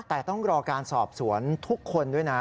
แต่ต้องรอการสอบสวนทุกคนด้วยนะ